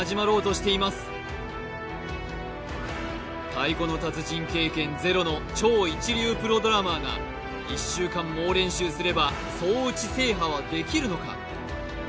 太鼓の達人経験ゼロの超一流プロドラマーが１週間猛練習すれば双打制覇はできるのか？